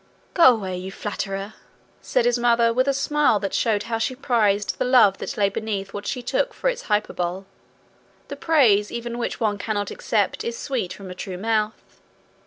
'Go away, you flatterer,' said his mother, with a smile that showed how she prized the love that lay beneath what she took for its hyperbole. The praise even which one cannot accept is sweet from a true mouth.